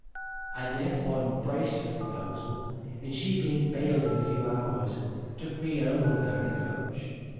I therefore embraced her proposal, and she being bailed in a few hours, took me home with her in a coach.